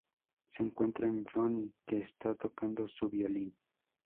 Se encuentra con Johnny que está tocando su violín.